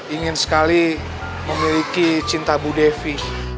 ingin sekali memiliki cinta bu devi